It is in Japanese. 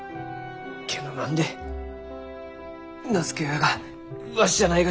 けんど何で名付け親がわしじゃないがじゃ？